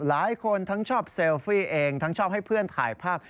หลายคนทั้งชอบเซลฟี่เองทั้งชอบให้เพื่อนถ่ายภาพ